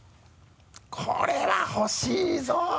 これは欲しいぞ！